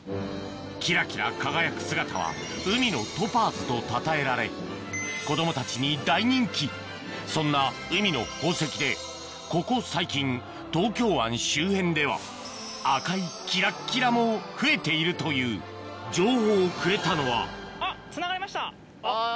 キラキラ輝く姿はとたたえられ子供たちに大人気そんな海の宝石でここ最近東京湾周辺では赤いキラッキラも増えているという情報をくれたのはあぁ。